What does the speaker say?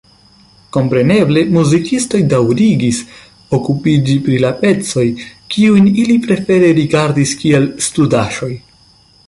Kompreneble muzikistoj daŭrigis okupiĝi pri la pecoj, kiujn ili prefere rigardis kiel studaĵoj.